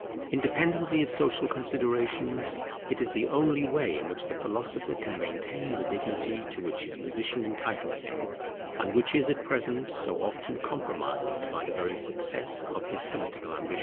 Independently of social considerations, it is the only way in which the philosopher can maintain the dignity to which his position entitles him, and which is at present so often compromised by the very success of his political ambition.